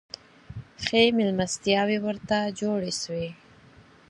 ښې مېلمستیاوي ورته جوړي سوې.